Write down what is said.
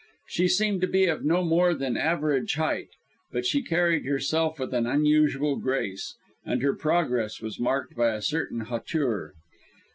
She seemed to be of no more than average height, but she carried herself with unusual grace, and her progress was marked by a certain hauteur.